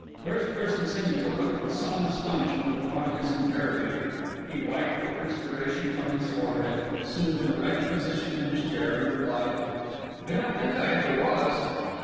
First person singular looked with some little astonishment upon his interrogator. He wiped the perspiration from his forehead, assumed an erect position in his chair, and replied: "I don't think I ever was."